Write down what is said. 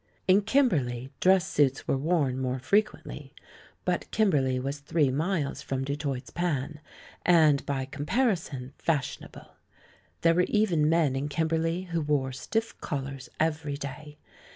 In Kimberley, dress suits were worn more fre quently, but Kimberley was three miles from Du Toit's Pan and, by comparison, fashionable. There were even men in Kimberley who wore stiff collars every day.